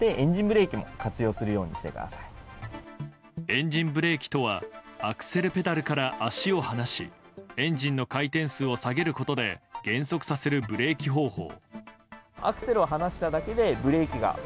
エンジンブレーキとはアクセルペダルから足を離しエンジンの回転数を下げることで減速させるブレーキ方法。